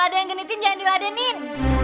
ada yang genitin jangan diladenin